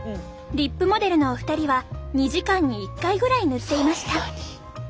リップモデルのお二人は２時間に１回ぐらい塗っていました。